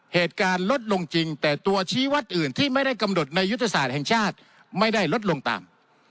เหตุการณ์ลดลงจริงแต่ตัวชี้วัดอื่นที่ไม่ได้กำหนดในยุทธศาสตร์แห่งชาติไม่ได้ลดลงตาม